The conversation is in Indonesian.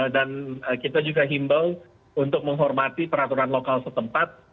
dan kita juga himbel untuk menghormati peraturan lokal setempat